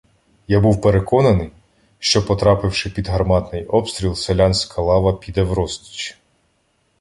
Я був переконаний, що, потрапивши під гарматний обстріл, селянська лава піде врозтіч.